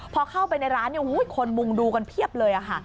พอเข้าไปในร้านคนมุงดูกันเพียบเลยค่ะ